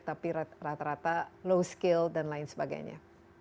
tapi rata rata low skill dan lain sebagainya